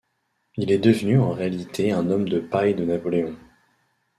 Il est devenu en réalité un homme de paille de Napoléon.